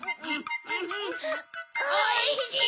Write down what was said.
おいしい！